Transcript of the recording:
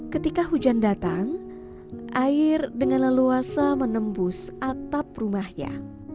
ketika hujan datang air dengan leluasa menembus atap rumahnya